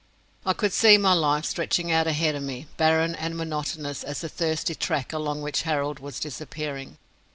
I could see my life, stretching out ahead of me, barren and monotonous as the thirsty track along which Harold was disappearing.